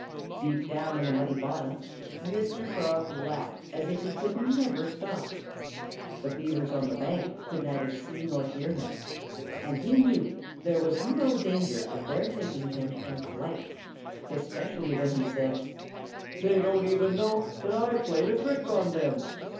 Deep down on the muddy bottom Mr. Frog laughed as if he could never stop. The Beavers on the bank could neither see nor hear him. And he knew there was no danger of their thinking him impolite, especially when he said: "They don't even know that I've played a trick on them!